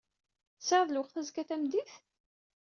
Tesɛiḍ lweqt azekka tameddit?